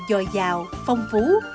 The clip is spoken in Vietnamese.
giòi giàu phong phú